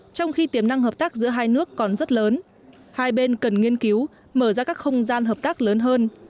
trong khi tiềm năng hợp tác giữa hai nước còn rất lớn hai bên cần nghiên cứu mở ra các không gian hợp tác lớn hơn